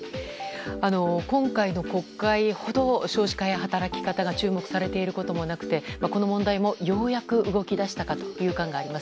今回の国会ほど少子化や働き方が注目されていることはなくてこの問題もようやく動き出したかという感があります。